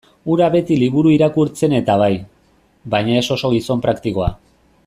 Hura beti liburu irakurtzen-eta bai, baina ez oso gizon praktikoa.